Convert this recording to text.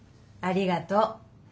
ありがとう。